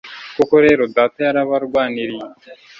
koko rero data yarabarwaniriye